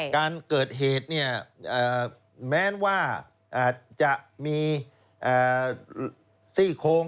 การเกิดเหตุแม้ว่าจะมีซี่โค้ง